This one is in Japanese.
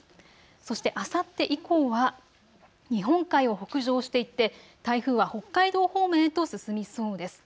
そしてあさって以降は日本海を北上していって台風は北海道方面へと進みそうです。